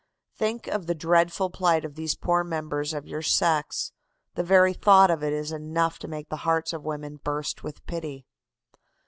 Think of the dreadful plight of these poor members of your sex. The very thought of it is enough to make the hearts of women burst with pity.